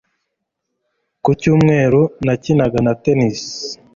Ku cyumweru, nakinaga na tennis.